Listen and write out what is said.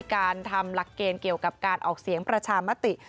การทำหลักเกณฑ์เกี่ยวกับการออกเสียงประชามติ